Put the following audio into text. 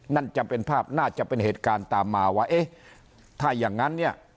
นั่นจะเป็นภาพน่าจะเป็นเหตุการณ์ตามมาว่าเอ๊ะถ้าอย่างนั้นเนี่ย